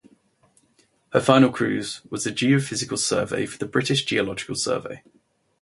Her final cruise was a geophysical survey for the British Geological Survey.